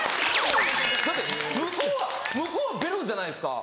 だって向こうはベロじゃないですか。